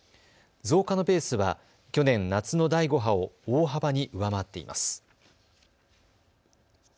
増加のペースは去年夏の第５波を大幅に上回っています。